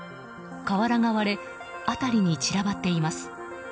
瓦が割れ辺りに散らばっています。